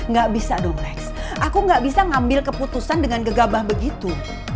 gak bisa dong next aku nggak bisa ngambil keputusan dengan gegabah begitu